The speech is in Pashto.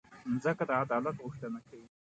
مځکه د عدالت غوښتنه کوي.